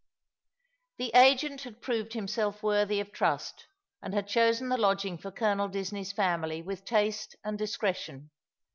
The agent had proved himself worthy of trust, and had chosen the lodging for Colonel Disney's family with taste and discretion.